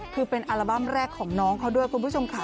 คือเป็นอัลบั้มแรกของน้องและคุณผู้ชมขา